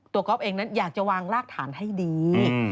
ก๊อฟเองนั้นอยากจะวางรากฐานให้ดี